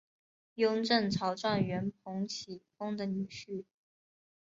雍正朝状元彭启丰的女婿。